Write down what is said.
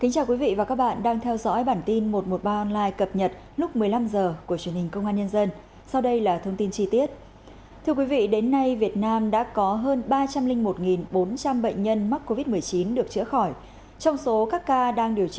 các bạn hãy đăng ký kênh để ủng hộ kênh của chúng mình nhé